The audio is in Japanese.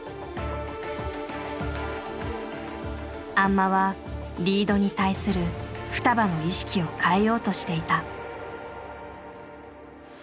安間はリードに対するふたばの意識を変えようとしていた。